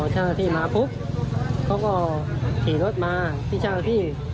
เจ้าหน้าที่มาปุ๊บเขาก็ขี่รถมาพี่เจ้าหน้าที่